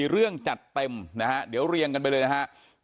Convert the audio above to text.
เรื่องจัดเต็มนะฮะเดี๋ยวเรียงกันไปเลยนะครับ